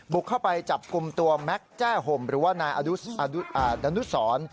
เข้าไปจับกลุ่มตัวแม็กซ์แจ้ห่มหรือว่านายดานุสร